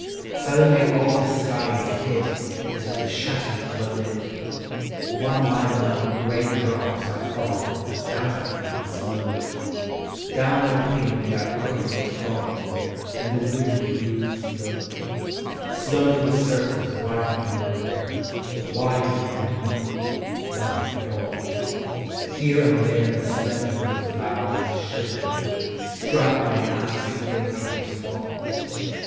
Suddenly all the sky is hid As with the shutting of a lid, One by one great drops are falling Doubtful and slow; Down the pane they are crookedly crawling, And the wind breathes low; Slowly the circles widen on the river, Widen and mingle, one and all ; Here and there the slenderer flowers shiver, Struck by an icy rain drop's fall.